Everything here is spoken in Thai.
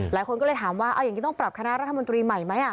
หลายคนก็เลยถามว่าเอาอย่างนี้ต้องปรับคณะรัฐมนตรีใหม่ไหม